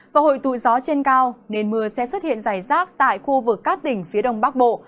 và hội tụ gió trên cao nên mưa sẽ xuất hiện rải rác tại khu vực các tỉnh phía đông bắc bộ